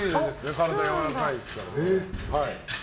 体やわらかいですから。